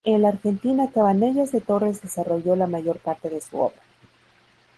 En la Argentina Cabanellas de Torres desarrolló la mayor parte de su obra.